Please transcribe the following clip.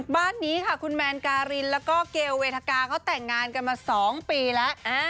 บ้านนี้ค่ะคุณแมนการินแล้วก็เกลเวทกาเขาแต่งงานกันมา๒ปีแล้ว